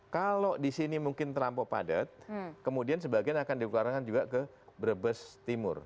kalau disini mungkin terampok padat kemudian sebagian akan dikeluarkan juga ke brebes timur